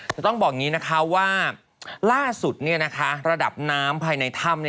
จะต้องบอกว่าล่าสุดระดับน้ำภายในถ้ำ